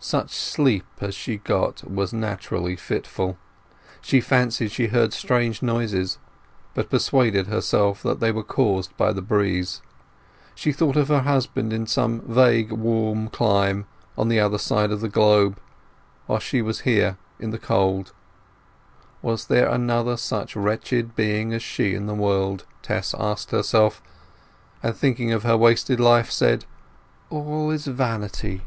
Such sleep as she got was naturally fitful; she fancied she heard strange noises, but persuaded herself that they were caused by the breeze. She thought of her husband in some vague warm clime on the other side of the globe, while she was here in the cold. Was there another such a wretched being as she in the world? Tess asked herself; and, thinking of her wasted life, said, "All is vanity."